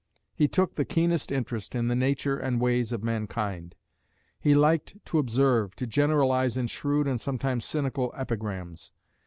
He took the keenest interest in the nature and ways of mankind; he liked to observe, to generalise in shrewd and sometimes cynical epigrams.